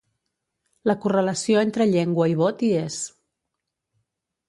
La correlació entre llengua i vot hi és.